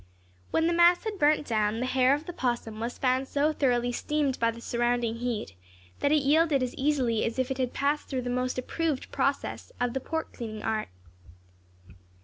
When the mass had burnt down, the hair of the opossum was found so thoroughly steamed by the surrounding heat, that it yielded as easily as if it had passed through the most approved process of the pork cleaning art.